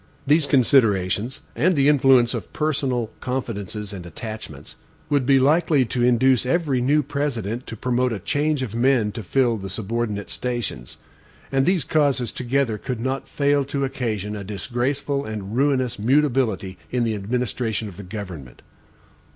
These considerations, and the influence of personal confidences and attachments, would be likely to induce every new President to promote a change of men to fill the subordinate stations; and these causes together could not fail to occasion a disgraceful and ruinous mutability in the administration of the government.